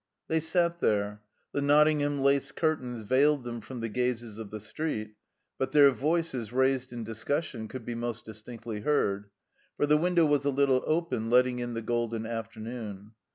They sat there; the Nottingham lace curtains veiled them from the gazes of the street, but their voices, raised in discussion, could be most distinctly heard; for the window was a little open, letting in the golden afternoon.